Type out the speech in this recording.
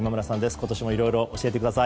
今年もいろいろ教えてください。